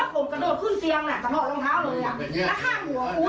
ผมกระโดดขึ้นเจียงตลอดรองเท้าเลยแล้วห้ามหัวสู้